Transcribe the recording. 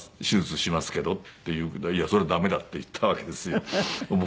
手術しますけど」って言うから「いやそれ駄目だ」って言ったわけですよ。